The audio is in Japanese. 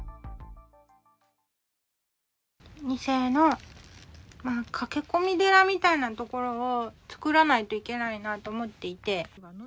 ２世の駆け込み寺みたいなところを作らないといけないなと思っていて。